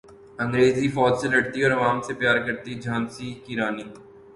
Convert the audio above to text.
انگریز فوج سے لڑتی اور عوام سے پیار کرتی جھانسی کی رانی